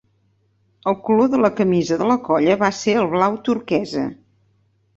El color de la camisa de la colla va ser el blau turquesa.